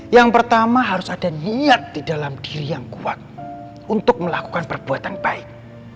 yang pertama harus ada niat di dalam diri yang kuat untuk melakukan perbuatan baik